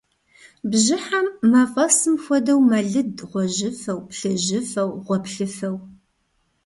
Бжьыхьэм, мафӀэсым хуэдэу, мэлыд гъуэжьыфэу, плъыжьыфэу, гъуэплъыфэу.